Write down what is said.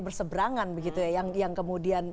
bersebrangan yang kemudian